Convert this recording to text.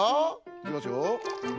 いきますよ。